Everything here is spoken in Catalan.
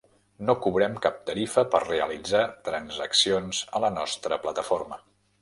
No cobrem cap tarifa per realitzar transaccions a la nostra plataforma.